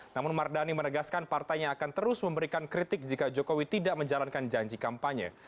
namun mardani menegaskan partainya akan terus memberikan kritik jika jokowi tidak menjalankan janji kampanye